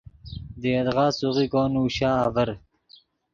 دے یدغا سوغیکو نوشا آڤر